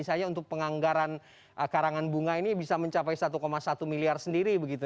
misalnya untuk penganggaran karangan bunga ini bisa mencapai satu satu miliar sendiri begitu